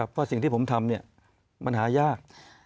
เพราะสิ่งที่ผมทำมันหายาก